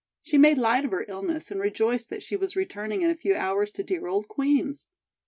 She made light of her illness, and rejoiced that she was returning in a few hours to dear old Queen's.